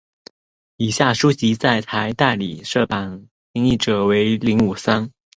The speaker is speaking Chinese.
以下书籍在台代理版的译者皆为林武三。